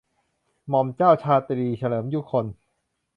หม่อมเจ้าชาตรีเฉลิม ยุคล